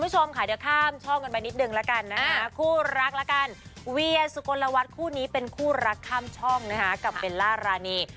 สุโกนละวัดคู่นี้เป็นคู่รักข้ามช่องนะฮะกับเวลาราณี